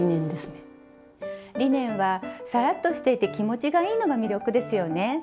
リネンはサラッとしていて気持ちがいいのが魅力ですよね。